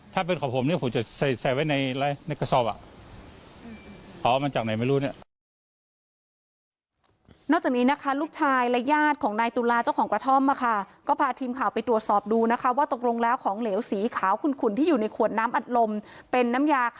ถ้าเป็นของผมเนี่ยผมจะใส่ไว้ในกระสอบอ่ะ